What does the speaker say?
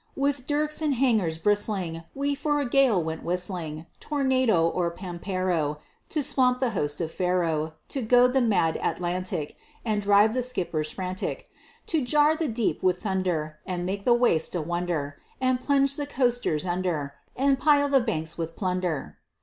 With dirks and hangers bristling, We for a gale went whistling, Tornado or pampero, To swamp the host of Pharaoh; To goad the mad Atlantic, And drive the skippers frantic; To jar the deep with thunder, And make the waste a wonder, And plunge the coasters under, And pile the banks with plunder.